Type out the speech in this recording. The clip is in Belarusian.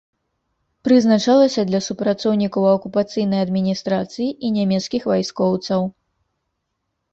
Прызначалася для супрацоўнікаў акупацыйнай адміністрацыі і нямецкіх вайскоўцаў.